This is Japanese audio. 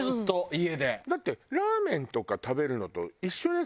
だってラーメンとか食べるのと一緒ですからね。